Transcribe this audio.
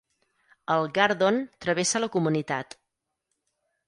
El Gardon travessa la comunitat.